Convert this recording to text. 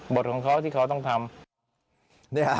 ของเขาที่เขาต้องทำ